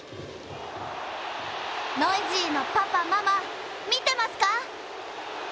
ノイジーのパパ、ママ、見てますか？